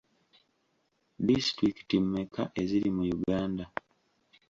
Disitulikiti mmeka eziri mu Uganda?